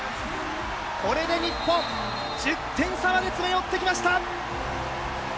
これで日本１０点差まで詰め寄ってきました